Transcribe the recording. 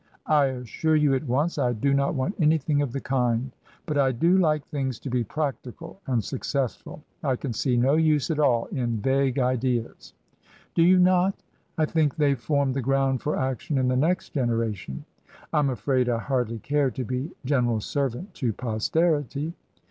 " I assure you at once I do not want anything of the kind. But I do like things to be practical and successful. I can see no use at all in vague ideas." " Do you not ? I think they form the ground for action in the next generation." "I'm afraid I hardly care to be general servant to posterity."